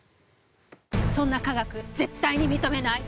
そんな科学絶対に認めない。